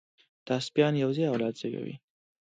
دا سپيان یو ځای اولاد زېږوي.